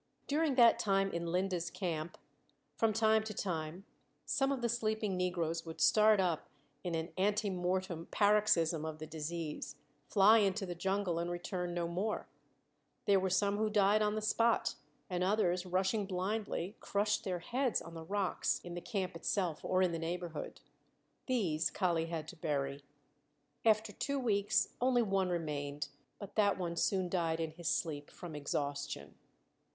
During that time in Linde's camp, from time to time, some of the sleeping negroes would start up in an ante mortem paroxysm of the disease, fly into the jungle, and return no more; there were some who died on the spot, and others, rushing blindly, crushed their heads on the rocks in the camp itself or in the neighborhood. These Kali had to bury. After two weeks only one remained, but that one soon died in his sleep from exhaustion.